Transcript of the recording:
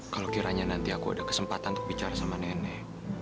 kalau kiranya nanti aku ada kesempatan untuk bicara sama nenek